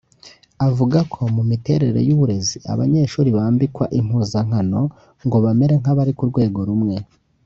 Avuga ko mu miterere y’Uburezi abanyeshuri bambikwa impuzankano ngo bamere nk’abari ku rwego rumwe